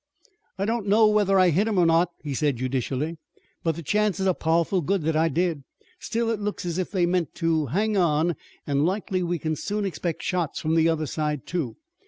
"I don't know whether I hit him or not," he said, judicially, "but the chances are pow'ful good that I did. Still it looks as if they meant to hang on an' likely we kin soon expect shots from the other side, too.